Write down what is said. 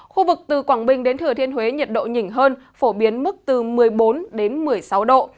khu vực từ quảng bình đến thừa thiên huế nhiệt độ nhỉnh hơn phổ biến mức từ một mươi bốn đến một mươi sáu độ